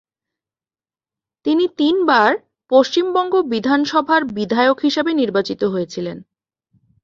তিনি তিনবার পশ্চিমবঙ্গ বিধানসভার বিধায়ক হিসেবে নির্বাচিত হয়েছিলেন।